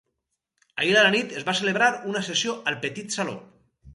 Ahir a la nit es va celebrar una sessió al petit saló.